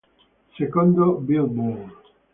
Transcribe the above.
Secondo Billboard.